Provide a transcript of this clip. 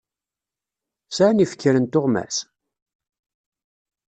Sɛan yifekren tuɣmas?